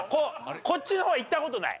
こっちの方は行った事ない。